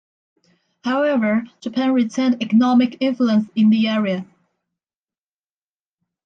However, Japan retained economic influence in the area.